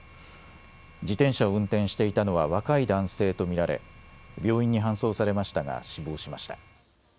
自転車を運転していたのは若い男性と見られ病院に搬送されましたが死亡しました。